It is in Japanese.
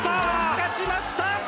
勝ちました！